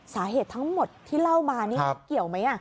สาเหตุทั้งหมดที่เล่ามานี่เกี่ยวไหม